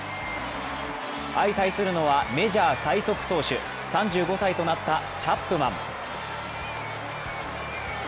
相対するのはメジャー最速投手、３５歳となったチャップマン。